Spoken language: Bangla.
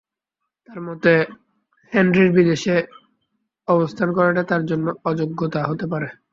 তাঁর মতে, হেনরির বিদেশে অবস্থান করাটা তাঁর জন্য অযোগ্যতা হতে পারে।